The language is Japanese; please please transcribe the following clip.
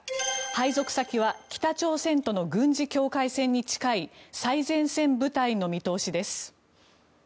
配属先は北朝鮮との軍事境界線に近い最前線部隊の見通しです。